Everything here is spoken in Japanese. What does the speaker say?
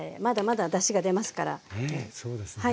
ねえそうですね。